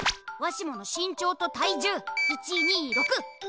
わしもの身長と体重１２６！